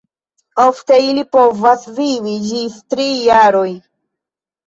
Ofte ili povas vivi ĝis tri jaroj.